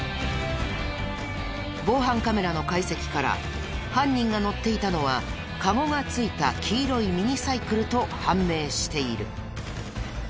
防犯カメラの解析から犯人が乗っていたのはカゴが付いた黄色いミニサイクルと判明している。